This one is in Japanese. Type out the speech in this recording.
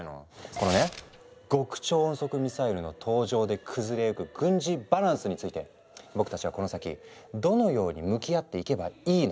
このね極超音速ミサイルの登場で崩れゆく軍事バランスについて僕たちはこの先どのように向き合っていけばいいのか？